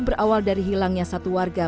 berawal dari hilangnya satu warga